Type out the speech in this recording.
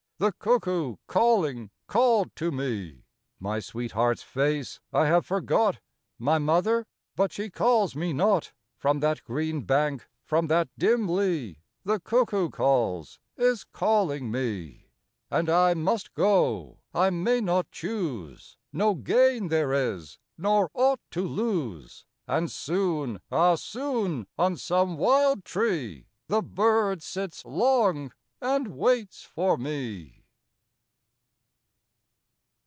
The cuckoo, calling, called to me ! My sweetheart's face? I have forgot; My mother? But she calls me not; From that green bank, from that dim lea, The cuckoo calls — is calling me ! And I must go — I may not choose ; No gain there is, nor aught to lose ; And soon — ah, soon !— on some wild tree The bird sits long and waits for me